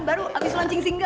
baru abis launching single ya